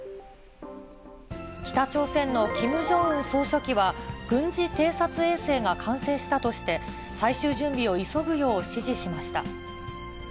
北朝鮮のキム・ジョンウン総書記は、軍事偵察衛星が完成したとして、最終準備を急ぐよう指示しました。